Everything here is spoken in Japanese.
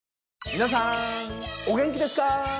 皆さんお元気ですか？